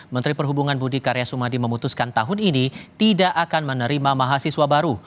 menteri perhubungan budi karya sumadi memutuskan tahun ini tidak akan menerima mahasiswa baru